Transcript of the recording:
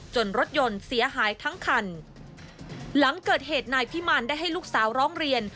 รถยนต์เสียหายทั้งคันหลังเกิดเหตุนายพิมารได้ให้ลูกสาวร้องเรียน